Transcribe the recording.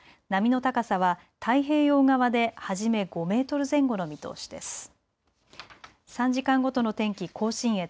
波の高さは太平洋側ではじめ５メートル前後の見通しです。